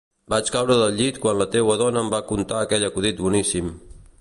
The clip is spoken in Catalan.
Vaig caure del llit quan la teua dona em va contar aquell acudit boníssim